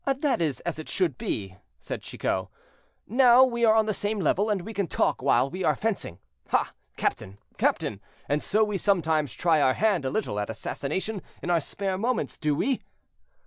"That is as it should, be," said Chicot; "now we are on the same level, and we can talk while we are fencing. Ah! captain, captain, and so we sometimes try our hand a little at assassination in our spare moments, do we?"